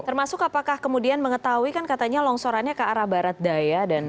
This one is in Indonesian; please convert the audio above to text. termasuk apakah kemudian mengetahui kan katanya longsorannya ke arah barat daya